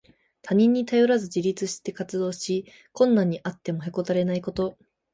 他人に頼らず自立して活動し、困難にあってもへこたれないこと。